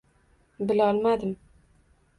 Bilolmadi.